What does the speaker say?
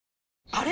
あれ？